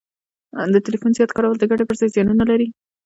د ټلیفون زیات کارول د ګټي پر ځای زیانونه لري